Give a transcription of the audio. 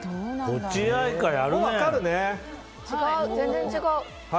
全然違う。